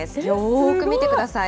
よーく見てください。